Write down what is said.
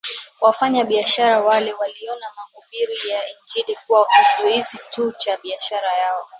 Wafanyabiashara wale waliona mahubiri ya Injili kuwa kizuizi tu cha biashara yao